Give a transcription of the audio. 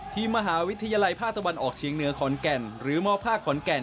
มหาวิทยาลัยภาคตะวันออกเชียงเหนือขอนแก่นหรือมภาคขอนแก่น